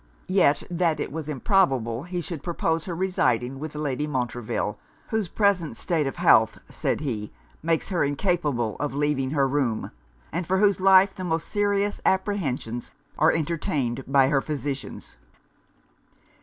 Yet that it was improbable he should propose her residing with Lady Montreville; 'whose present state of health,' said he, 'makes her incapable of leaving her room, and for whose life the most serious apprehensions are entertained by her physicians.'